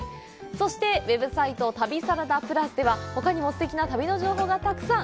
そして、ウェブサイト「旅サラダＰＬＵＳ」では、ほかにもすてきな旅の情報がたくさん。